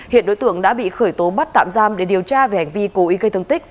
hiện đối tượng đã bị khởi tố bắt tạm giam để điều tra về hành vi cố ý gây thương tích